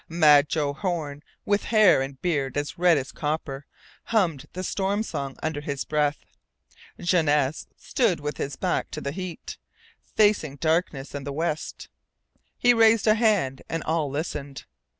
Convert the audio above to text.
"Mad" Joe Horn, with hair and beard as red as copper, hummed the Storm Song under his breath. Janesse stood with his back to the heat, facing darkness and the west. He raised a hand, and all listened.